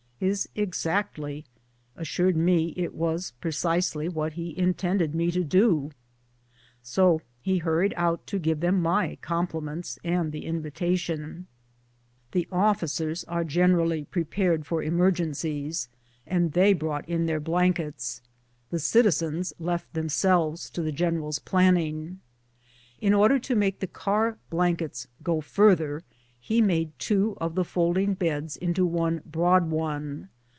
His " exactly " assured me it was precisely what he in tended me to do. So he hurried out to give them my compliments and the invitation. The officers are gen erally prepared for emergencies, and they brought in their blankets; the citizens left themselves to the gen eral's planning. In order to make the car blankets go further, he made two of the folding beds into one broad one.